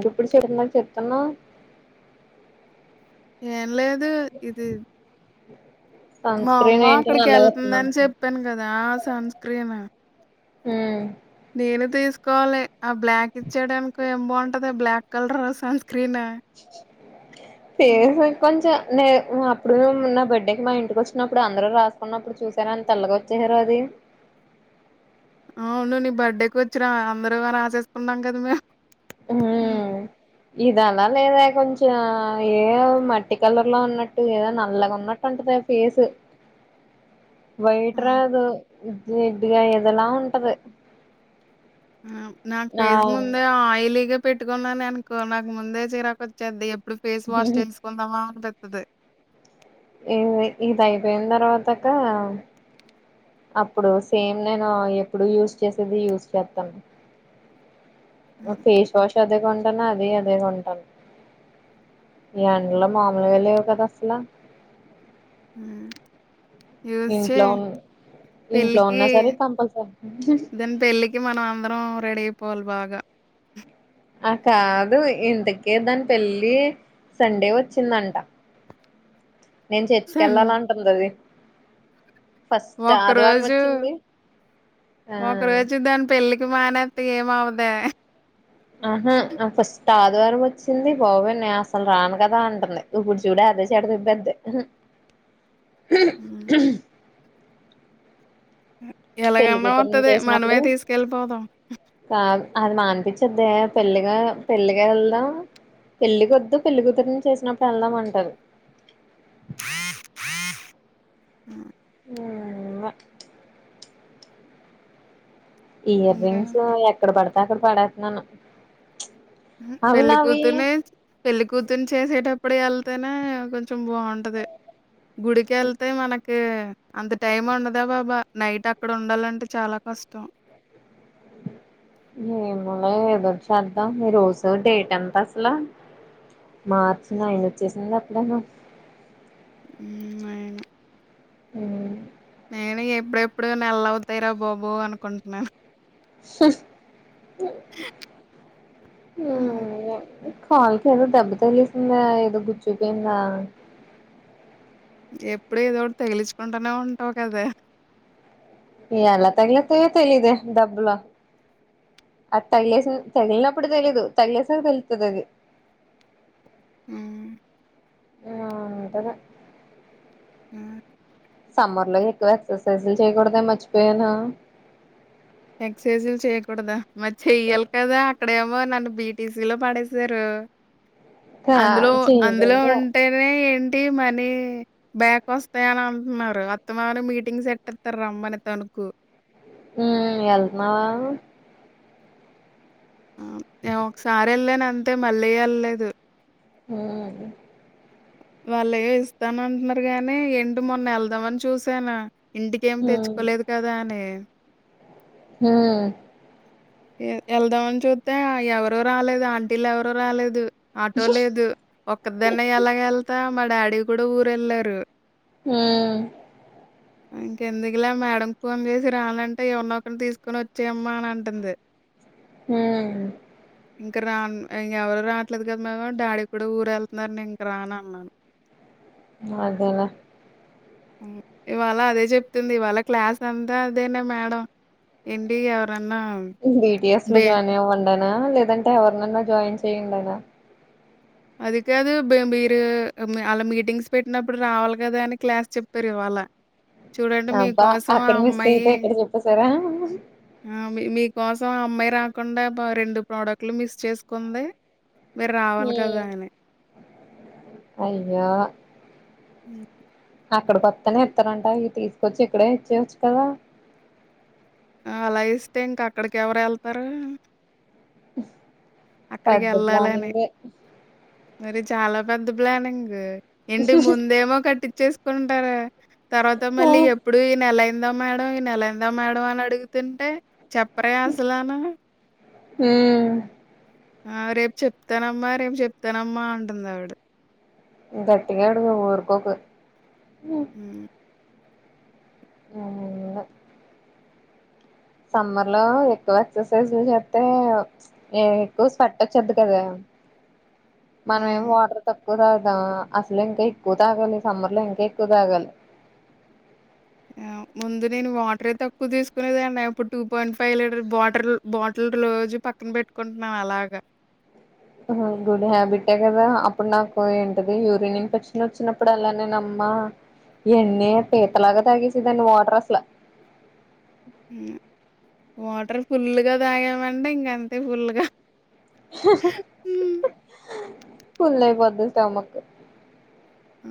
ఇప్పుడు చూడకనే చెప్తున్నావ్ ఏం లేదు ఇది సన్ మా అమ్మ స్క్రీన్ ఏంటి అక్కడికి నల్లగా వెళ్తుందని వస్తుందంటున్నావ్ చెప్పాను కదా ఆ సన్ స్క్రీమ మ్మ్ నేను తీసుకోవాలి ఆ బ్లాక్ ఇచ్చేయడానికి ఏం బాగుంటది బ్లాక్ కలర్ ఏసు క్రీణ ఏస [unintelligible] కొంచ నే అప్పుడు నా బర్త్డేకి మా ఇంటికి వచ్చినప్పుడు అందరు రాసుకున్నప్పుడు చూసానండి తెల్లగా వచ్చేసారు అది అవును నీ బర్త్డేకి వచ్చిర అందరూ రాసేసుకున్నాం కదా మేము హ్మ్. మ్మ్ ఇవాళ నిను ర్యాకుం కొంచెం ఏదో మట్టి కలర్ లో ఉన్నట్టు ఏదో నల్లగా ఉన్నట్టు ఉంటాది ఆ ఫేస్ వైట్ ఆ! రాదు జిడ్డుగా ఎదలా ఉంటది మ్మ్ నాక్ ఆ ఫేస్ ముందే ఆ ఆయిలీగాల్ పెట్టుకున్నాను అనుకో నాకు ముందే చీరాకు వచ్చేద్ది ఎప్పుడు ఫేస్ వాష్ ఇది చేసుకుందామా అని ఉంటాది అదే ఇది అయిపోయిన తర్వాత అక్క అప్పుడు సేమ్ నేను ఎప్పుడు యూస్ చేసేది యూస్ చేత్తాను హ్మ్. ఫేస్ వాష్ అదే కొంటన్న అదే ఎమ్ ఈ ఎండలు మామూలుగా లేవు కదా అసలు మ్మ్ ఇంట్లో ఉంది పెళ్ళికి దాని పెళ్ళికి మనం అందరం రెడీ అ పొవల్ల బాగ ఆ కాదు ఇంతకి దాని పెళ్ళి సండే వచ్చిందంట నేను చర్చి కి సన్ కెళ్ళాల అంటుంది అది ఫస్ట్ ఒక్క ఆదివారం రోజు వచ్చింది ఆ ఒక్క రోజు దాని పెళ్ళికి మానే టు ఏమ్ అవదె ఇక ఆదివారం వచ్చింది బాబొయ్ నేను అసలు రాను కదా అంటుంది ఇప్పుడు చూడేలే అదే [unintelligible] అవున పెళ్ళి ఎలాగన్నా కూతురుని వత్తది చేసినట్లు మనమే తీసుకెళ్ళిపోదాం. అవున అనిపించ్చుదేమో పెళ్ళిగా పెళ్ళిగా వెళ్దాం పెళ్ళికి వొద్దు పెళ్ళి కూతురిని చేసినప్పుడు వెళ్దామంటారు ఉను ఊ ఇవ్వ ఇయర్ ఇంకేం రింగ్స్ ఎక్కడ పడతే అక్కడ పడేస్తున్నాను ఉ అవి నావి పెళ్లికూతుర్నె పెళ్లి కూతుర్ని చేసేటప్పుడు అప్పుడు వెళ్తేనే కొంచెం బాగుంటది గుడికి వెళ్తే మనకి అంత టైం ఉండదా బాబా నైట్ అక్కడ ఉండాలంటే చాలా కష్టం అ ఏములే ఎదురు చేద్దాం ఈ రోజు డేట్ ఎంత అసలు మార్చి నైన్ వచ్చేసింది ఎప్పుడేమో ఊ నైను ఊ నేను ఎప్పుడెప్పుడు నెల్ల అవుతాయి రా బాబో అనుకుంటున్నాను అది కాల్కి ఏదో దెబ్బ తెగిలేసింద ఏదో గుచ్చుపోయిందా ఎప్పుడు ఏదోటి తగిలిచుకుంటానే ఉంటావు కదా ఎలా తగిలేతయో తెలిదు దబ్బల అది తగిలేసిన తగిలినప్పుడు తెలీయదు తగిలేసకు తెలుతది అది ఆ నానుంటలే ఆ! సమ్మర్ లో ఎక్కువ ఎక్సర్సైజ్లు చేయకూడదే మర్చిపోయాను ఎక్ససైజులు చెయ్యకూడదా మరి చెయ్యాల కదా ఇక్కడేమో నన్ను బీటీసీ లో పాడేశారు కా అందులో అందులో చేయకూడదు ఉంటేనే ఏం టి మనీ బ్యాక్ వస్తాయ అని అంటున్నారు అత్తమానం మీటింగ్ సెతేతార రమ్మని తను కు ఊ వెళ్తున్నావా ఆ నే ఒకసారి వెళ్ళాను అంతే మళ్ళీ యలేదు ఊ అవును వాళ్ళు ఏ ఇస్తానంటున్నారు గాని ఏంటి మొన్న వెళ్దామని చూసాను ఇంటికి ఏమి ఉమ్ తెచ్చుకోలేదు కదా అని ఊ వెళ్దామని చూస్తే ఎవరు రాలేదు ఆంటీలు ఎవరు రాలేదు ఆటో లేదు ఒక్కదన్న ఎలాగ వెళ్తా మా డాడీ కూడా ఊరళ్ళారు ఆ ఇంకెందుకులా మేడం కు ఫోన్ చేసి రాలంటే ఎవనొ ఒకరిని తీసుకొని వచ్చాయమ్మా అని అంటుంది ఊ ఇంక రా ఎవరు రాట్లేదు కదా మ డాడీ కూడా ఊరు వెళ్తున్నారు నే ఇంక రాన్ననాను అదెల ఇవాళ అదే చెప్తుంది ఇవాళ క్లాస్ అంతా అదేనే మేడం ఎంటి ఎవరా బిటిఎస్ లో జాయిన్ అవ్వండానా లేదంటే ఎవరినైనా జాయిన్ చేయ్యండనా అది కాదు బ మీరు అలా మీటింగ్స్ పెట్టినప్పుడు రావాలి కదా అని క్లాస్ చెప్పారు ఇవాళ్ళ అబ్బా అక్కడ మిస్ అమ్మాయి అయితే ఇక్కడ చెప్పసారా ఆ మీ మీకోసం అమ్మాయి రాకుండా రెండు ప్రోడక్ట్లు మిస్ చేసుకుంది మీరు రావాలి కదా అని అయ్యో హ్మ్. అక్కడ కొత్తనే ఇస్తారంట ఇ తీసుకొచ్చి ఇక్కడే ఇచ్చేయవచ్చు కదా ఆ అలా ఇస్తే ఇంకా అక్కడికి ఎవరు వెళ్తారు ఉ పెద్ద ప్లానింగ్ ఏ మరి చాలా పెద్ద ప్లానింగ్ ఇంటి ముందేమో కట్టిచ్చేసుకుంటారు తర్వాత మళ్ళీ ఎప్పుడు ఈ నెల అయిందా మేడం ఈ నెల అయిందా మేడం అని అడుగుతుంటే చెప్పారుగా అసలను హ్మ్ ఆ రేపు చెప్తానమ్మా రేపు చెప్తానమ్మా అంటుంది ఆవిడ గటిగా అడుగు ఊర్కొకు హ్మ అదేకాద సమ్మర్ లో ఎక్కువ ఎక్సర్సైజ్లు చేతే ఎక్కువ స్వీట్ వచ్చేది కదా మనమేం హ్మ్. వాటర్ తక్ ఎక్కువ తాగు అసలు ఇంకా ఎక్కువ తాగాలి సమ్మర్ లో ఇంకా ఎక్కువ తాగాలి యాహ్! ముందు నేను వాటరే తక్కువ తీసుకునేదానే ఇప్పుడు two point five litre water bottle రోజు పక్కన పెట్టుకుంటున్నా అలాగా గుడ్ హ్యాబిటే కదా అప్పుడు నాకు ఏంటిది యూరిన్న్ ఇన్ఫెక్షన్ వచ్చినప్పుడు అలానేే ఆ ఎన్ని పీత లాగా తాగేసే దాన్ని వాటర్ అసలు హ్మ వాటర్ ఫుల్గా తాగమంటే ఇంక అంతే ఫుల్గా ఫుల్ అయిపోది స్టమక్ ఆ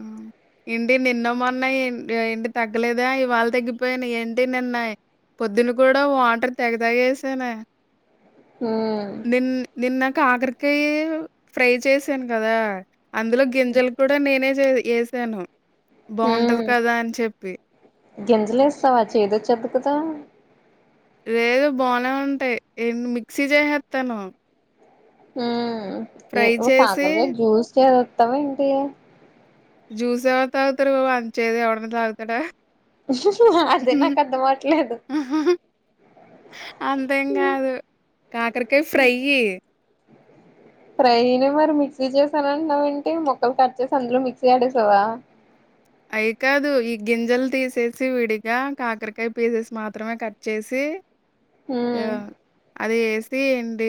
ఏంటి నిన్న మన్నాయి ఏంటి తగ్గలేదా ఇవాళ తగ్గిపోయాను ఏంటి నిన్నయ్ పొద్దున్న కూడా వాటర్ తెగ తాగేసానే ఉమ్ నిన్ నిన్న కాకరకాయ ఫ్రై చేసాను కదా అందులో గింజలు కూడా నేనే వేసాను బాగుంటది కదా అని చెప్పి గింజల వేసేసావా చెందోచేతుంది కదా లేదు బానే ఉంటాయి ఏంటి మిక్సీ చేసేస్తాను హ్మ్ ఏ ఒక చేసి కాకరకాయ జ్యూస్ చేసేస్తావా ఏంటి జ్యూస్ ఎవడ తాగుతారు అంత చేదు ఎవడన్నా తగుతాడ అదే నాక అర్థం అవట్లేదు అంతేం కాదు కాకరకాయ ఫ్రై అ ఫ్రైనే మరి మిక్సీ చేసాన అంటన్నావ ఏంటి మొక్కలు కట్ చేసి అందులో మిక్సీ ఆడేసావా అయి కాదు ఈ గింజలు తీసేసి విడిగా కాకరకాయ పీసెస్ మాత్రమే కట్ చేసి ఏ హ్మ్ అది ఏసి ఏంటి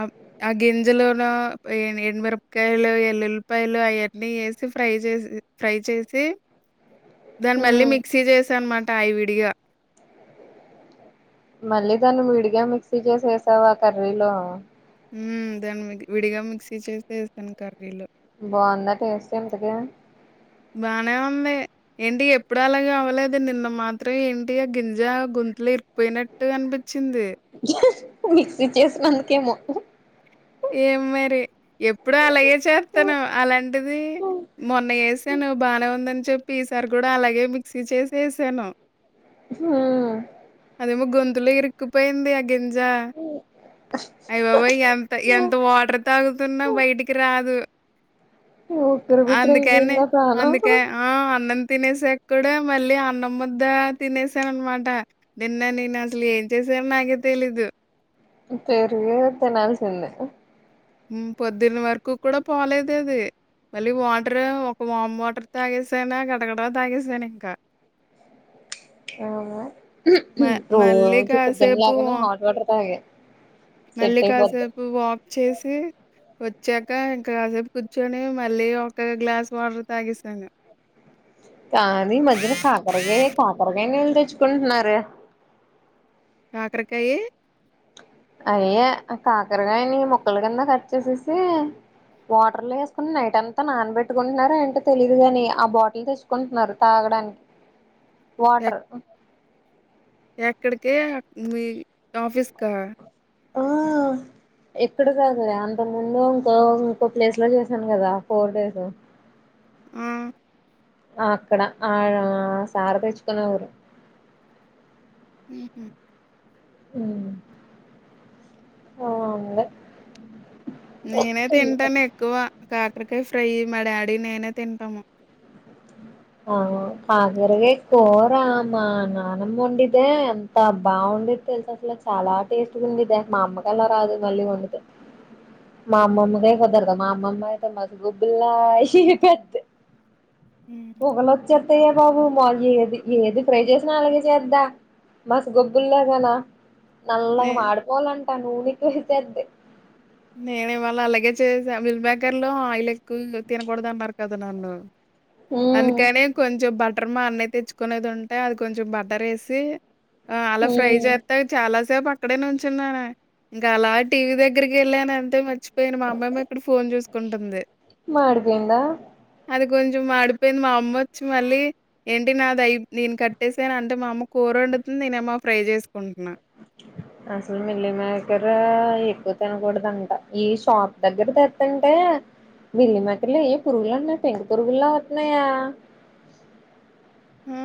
ఆ ఆ గింజలోన ఎండు మిరపకాయలు ఎల్లుల్లిపాయలు అవన్నీ ఏసి ఫ్రై చేసి ఫ్రై చేసి దాన్ని మళ్ళీ హ్మ్ మిక్సీ చేసా అనమాట ఇవిడిగా మళ్ళీ దాన్ని విడిగా మిక్సీ చేసేసావా కర్రీలో హ్మ దాన్ని విడిగా మిక్సీ చేసి యేసెసాను కర్రి బాగుందా టేస్ట్ ఇంతకి బానే ఉంది ఏంటి ఎప్పుడ అలాగ అవ్వలేదు నిన్న మాత్రం ఏంటి ఆ గింజా గొంతులో ఇరిక్కుపోయినట్టు అనిపి చింది మిక్సీ చేసినందుకేమో ఏం మరి ఎప్పుడు అలాగే చేతను అలాంటిది మొన్న ఎస్సెన్ నువ్ బానే ఉందని చెప్పి ఈసారి కూడా అలాగే మిక్సీ చేసేసాను హ్మ బాలే ఇకుపోయిందియే గింజ ఐ బాబోయ్ ఎంత వాటర్ తాగుతున్నా బయటికి రాదు ఉక్కిరి బిక్కిరి అందుకనే అయిపోయిందా ప్రాణం అందుకే ఆ అన్నం తినేసాక్కూడ మళ్ళీ అన్నం ముద్ద తినేసాననమాట. నిన్న నేను అసలేం చేసా న్ నాకే తెలిదు. పెరుగు తినాల్సింది. మ్ పొద్దున వరకు కూడా పోలేదేది. మళ్ళీ వాటర్. ఒక వామ్ వాటర్ తాగేసానా గడగడ తాగేసా నింక అవునా. మ మళ్ళీ రోజు పొద్దున కాసేపు లేవగానే వా హాట్ వాటర్ తాగే మళ్ళీ సెట్ అయిపోద్ది కాసేపు వాక్ చేసి వచ్చాక ఇంకా కాసేపు కూర్చొని మళ్ళీ ఒక గ్లాస్ వాటర్ తాగేసాను. కానీ ఈ మధ్యన నకాకరకాయ్ కాకరకాయ్ నిళ్ తెచ్చుకుంటున్నారు. కాకరకాయే అవియే కాకరగకాయని ముక్కల కింద కట్ చేేసేసి వాటర్లో వేసుకుని నైట్ అంతా నానబెట్టుకుంటున్నారో ఏంటో తెలీదు కాని ఆ బాటిల్ తెచ్చుకుంటున్నారు తాగడానికి ఎక్ వాటర్ ఎక్కడికి మీ ఆఫీస్కా ఆ ఇక్కడ కాదు అంత ముందు ఇంకో ఇంకో ప్లేస్లో చేశాను కదా ఫోర్ డేస్ ఆ అక్కడ ఆడా సార్ తెచ్చుకునే వారు. హు హ్మ్. మ్. అవునండి. నేనే తింటానేక్కువ కాకరకాయ్ ఫ్రై మా డ్యాడి నేనే తింటాము. అ ఆ కాకరకాయ కూరా మా నానమ్మోండితే ఎంత బాగుండెద్ తెలుసా అసలు చాలా టేస్ట్ గుంది. దాన్కి మా అమ్మకలా రాదు మళ్ళీ వండితే మామ్మమ్మకే [unintelligible] మామమ్మయితే మసి బోగ్గుల్లా షేషేద్ది. హ్మ్. పోగలొచ్చత్తయిగ బాబు మా ఏది ఏది ఫ్రై చేసినా అలాగే చేద్దా మసి గొబ్బిల్లాగానా నే నల్లగా మాడుపోవాలంటా నూనేకేసేద్ది. నేనివాళ అలాగే చేసా మిల్ మేకర్లో ఆయిల్ ఎక్కువ తినకూడదన్నారు కదా నన్ను హ్మ్ అందుకని కొంచెం బటర్ మా అన్నయ్య తెచ్చుకునేది ఉంటే అది కొంచం బటరేసి ఆ అలా ఫ్రై హ్మ్ చేత్తే చాలా సేపు అక్కడే నుంచున్నాను. ఇంకా అలా టీవీ దగ్గరికి వెళ్ళానంతే మర్చిపోయిన మా అమ్మమ్మ ఇక్కడ ఫోన్ చూస్కుంటుంది. మడిపోయిందా అది కొంచెం మాడిప్ పోయింది మా అమ్మ వచ్చి మళ్ళీ ఏంటి నాదై నేను కట్టేసాను అంటే మా అమ్మ కూరొండుతుంది నేనేమో ఫ్రై చేసు అసలు మిల్లీమేకరా ఎక్ క్కువ తినకూడదంట ఈ షాప్ దగ్గర తెత్తుంటే మిల్లీ మేకర్లో ఏ పురుగులన్న పెంకి పురుగుల్లా అవుతున్నాయా హా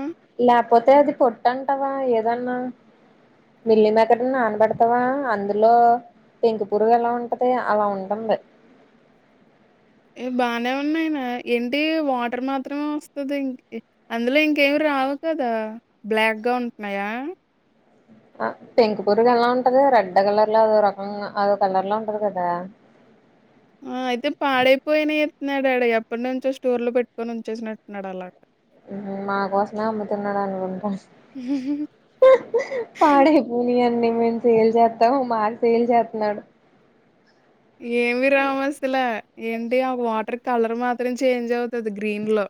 లేకపోతే అది పొట్టంటవా ఏదన్నా మిల్లీ మేకర్లో నానబేడ్తావా అందులో పెంకు పురుగేలా ఉంటది అలా ఉంటుంది. బానే ఉన్నాయనా ఏంటి వాటర్ మాత్రమే వస్తుదింకి అందులో ఇంకేమి రా అవుతదా బ్లాక్గా ఉంటున్నాయా ఆ పెంక్ పురుగా ఎలా ఉంటది రెడ్ కలర్ లో అదో రకంగా అదో కలర్లో ఉంటది కదా [unintelligible] ఆ అయితే పాడైపోయినా నాడాడ ఎప్పటి నుంచో స్టోర్ లో పెట్టుకొని ఉంచేసినట్టుడు అలాగా మా కోసమే అమ్ముతున్నాడు అనుకుంటాను, పాడై పోయినాయి అన్ని మేము సేల్ చేస్తాం మాకు సేల్ చేస్తున్నాడు, ఏమి రావు అసలు ఏంటి ఆ వాటర్ కలర్ మాత్రం చేంజ్ అవుతది గ్రీన్ లో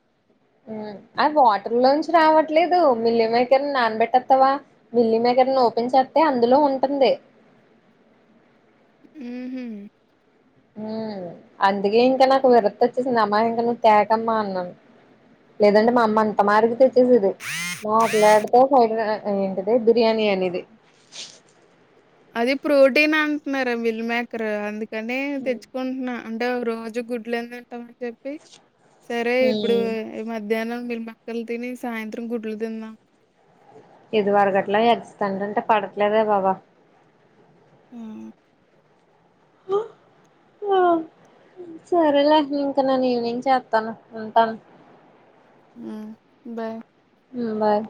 అది వాటర్ లోంచి రావట్లేదు మిల్లి మేకర్ నానబెట్టత్తావా మిల్లి మేక దగర ఓపెన్ చేస్తే అందులో ఉంటుంది. ఉహు ఉ అందుకే ఇంకా నాకు విరక్త్ వచ్చేసింది, అమ్మా ఇంకా నువ్వు తేకమ్మా అన్నాను లేదంటే మా అమ్మ అంత మారికి తెచ్చేసిది. మాట్లాడితే సైడ్ ఏంటిది బిర్యానీ అనేది, అది ప్రోటీన్ అంటున్నారు మిల్ మేకర్ అందుకని తెచ్చుకుంటున్నా, అంటే రోజు గుడ్లుందిింటాంని చెప్పి సరే ఇప్పుడు హ్మ్ మధ్యాహ్నం మిల్మేకల్ తిని సాయంత్రం గుడ్లు తిందాం, ఇది అరగట్లా ఎగ్స్ తింటంటే పడట్లేదే బాబు ఉ ఆ సరేలే ఇంకా నేను ఈవినింగ్ చేస్తాను ఉంటాను, ఉ బాయ్ ఉ బాయ్